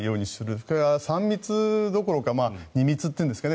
あとは３密どころか２密というんですかね。